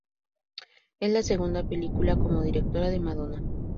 Es la segunda película como directora de Madonna.